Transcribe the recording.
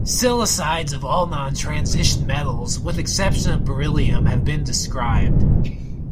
Silicides of all non-transition metals, with exception of beryllium, have been described.